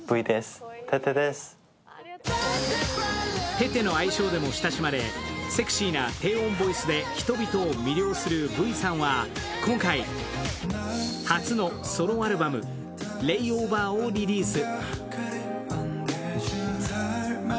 テテの愛称でも親しまれ、セクシーな低音ボイスで人々を魅了するＶさんは今回、初のソロアルバム「Ｌａｙｏｖｅｒ」をリリース。